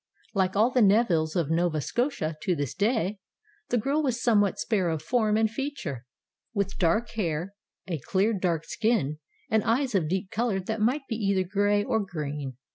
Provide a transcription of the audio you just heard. Like all the Nevilles of Nova Scotia to this day, the girl was somewhat spare of form and feature, with dark hair, a clear, dark skin, and eyes of deep color that might be either gray or green.